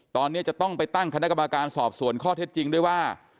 ตอนนี้จะต้องไปตั้งคณะกรรมการสอบส่วนข้อเท็จจริงด้วยว่า